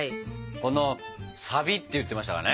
このサビって言ってましたからね。